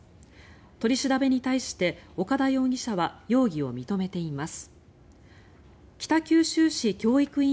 取り調べに対して、岡田容疑者は容疑を認めています。